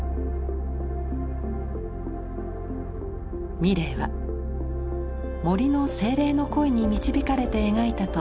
ミレイは「森の精霊の声に導かれて描いた」と語っています。